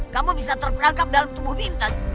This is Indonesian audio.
kamu bisa terperangkap dalam tubuh bintan